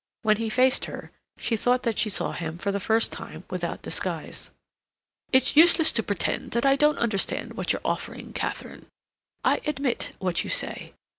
When he faced her, she thought that she saw him for the first time without disguise. "It's useless to pretend that I don't understand what you're offering, Katharine. I admit what you say.